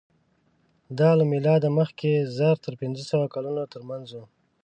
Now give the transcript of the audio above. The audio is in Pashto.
دا له مېلاده مخکې زر تر پینځهسوه کلونو تر منځ وو.